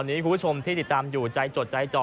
วันนี้คุณผู้ชมที่ติดตามอยู่ใจจดใจจ่อ